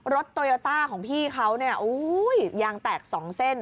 โตโยต้าของพี่เขาเนี่ยยางแตกสองเส้น